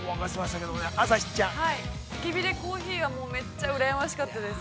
◆たき火でコーヒーは、めっちゃ、うらやましかったです。